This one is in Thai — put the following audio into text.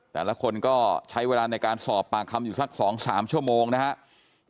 แต่ละคนก็ใช้เวลาในการสอบปากคำอยู่สัก๒๓ชั่วโมงนะครับ